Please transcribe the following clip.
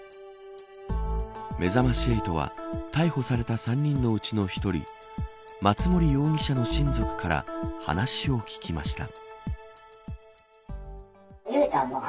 めざまし８は逮捕された３人のうちの１人松森容疑者の親族から話を聞きました。